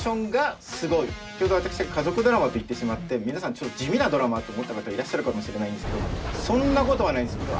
先ほど私が家族ドラマと言ってしまって皆さんちょっと地味なドラマと思った方いらっしゃるかもしれないんですけどそんなことはないんです！